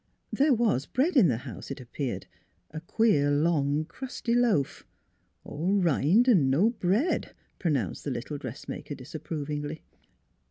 There was bread in the house, it appeared, a queer long crusty loaf. " All rind an' no bread," pronounced the little dressmaker disapprovingly.